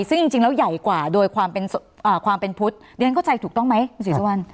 ซึ่งจริงแล้วใหญ่กว่าโดยความเป็นพุทธเรียนเข้าใจถูกต้องไหมคุณศรีสุวรรณ